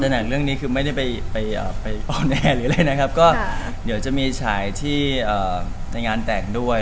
แต่หนังเรื่องนี้คือไม่ได้ไปออนแอร์หรืออะไรนะครับก็เดี๋ยวจะมีฉายที่ในงานแต่งด้วย